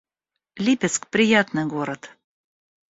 Липецк — приятный город